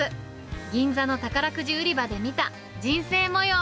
銀座の宝くじ売り場で見た人生もよう。